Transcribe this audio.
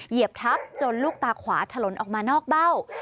เหยียบทับจนลูกตาขวาถลนออกมานอกเบ้า